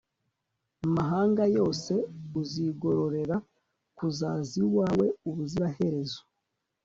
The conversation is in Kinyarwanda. mahanga yose, uzigororera kuzaza iwawe ubuziraherezo